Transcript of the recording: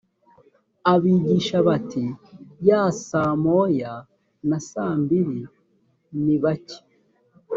abigisha hagati ya saa moya na saambiri nibake.